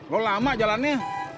kalau lama jalannya